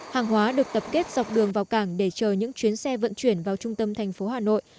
hàng hóa được tập kết dọc đường vào cảng để chờ những chuyến xe vận chuyển vào trung tâm thành phố hà nội